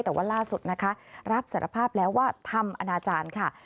แต่ว่าล่าสุดนะคะรับสารภาพแล้วว่าทำอนาจารย์ค่ะ